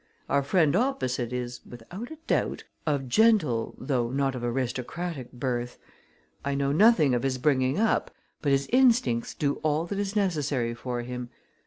Our friend opposite is, without a doubt, of gentle though not of aristocratic birth. I know nothing of his bringing up, but his instincts do all that is necessary for him.